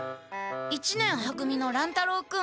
一年は組の乱太郎君。